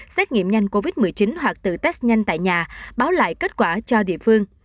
xét nghiệm nhanh covid một mươi chín hoặc tự test nhanh tại nhà báo lại kết quả cho địa phương